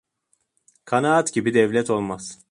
Kanaat gibi devlet olmaz.